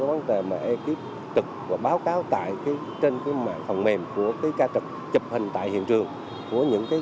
vấn đề mà ekip trực và báo cáo trên mạng phòng mềm của ca trực chụp hình tại hiện trường của những